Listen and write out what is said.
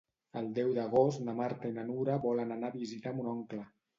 El deu d'agost na Marta i na Nura volen anar a visitar mon oncle.